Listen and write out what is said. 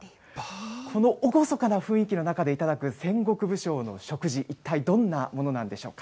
この厳かな雰囲気の中で頂く戦国武将の食事、一体どんなものなんでしょうか。